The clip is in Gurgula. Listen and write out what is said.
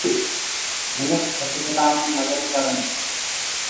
مِنک ڦٽجلآنٚ ڪي مدت ڪرن۔